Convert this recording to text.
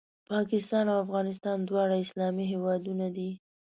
پاکستان او افغانستان دواړه اسلامي هېوادونه دي